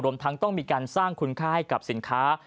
ทั้งต้องมีการสร้างคุณค่าให้กับสินค้า